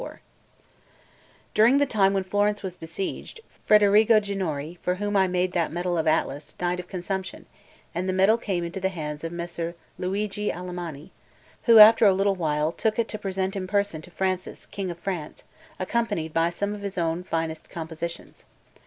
XLIV DURING the time when Florence was besieged, Federigo Ginori, for whom I made that medal of Atlas, died of consumption, and the medal came into the hands of Messer Luigi Alamanni, who, after a little while, took it to present in person to Francis, king of France, accompanied by some of his own finest compositions.